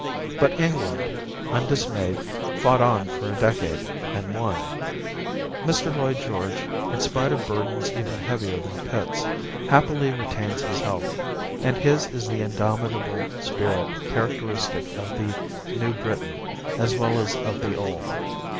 But England, undismayed, fought on for a decade, and won. Mr. Lloyd George, in spite of burdens even heavier than Pitt's, happily retains his health; and his is the indomitable spirit characteristic of the new Britain as well as of the old.